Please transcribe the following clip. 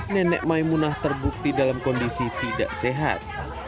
nenek maimunah terbukti dalam kondisi tidak sehat